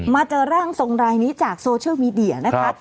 เจอร่างทรงรายนี้จากโซเชียลมีเดียนะคะ